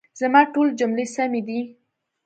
زما ټولي جملې سمي دي؟